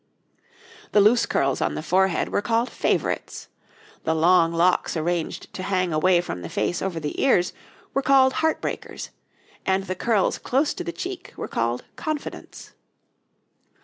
The loose curls on the forehead were called 'favorites'; the long locks arranged to hang away from the face over the ears were called 'heart breakers'; and the curls close to the cheek were called 'confidents.'